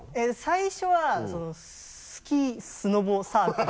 最初はスキー・スノボサークル。